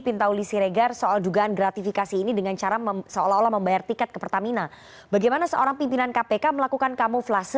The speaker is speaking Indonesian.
putusan dewan pengawas